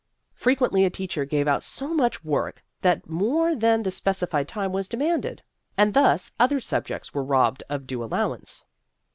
Frequently a teacher gave out so much work that more than the specified time was demanded, and thus other sub jects were robbed of due allowance.